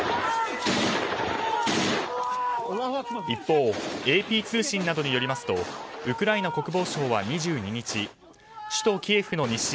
一方、ＡＰ通信などによりますとウクライナ国防省は２２日首都キエフの西